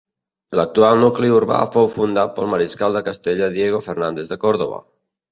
L'actual nucli urbà fou fundat pel mariscal de Castella Diego Fernández de Córdoba.